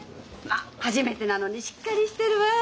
まあ初めてなのにしっかりしてるわ。